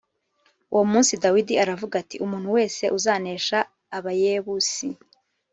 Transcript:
Uwo munsi Dawidi aravuga ati “Umuntu wese uzanesha Abayebusi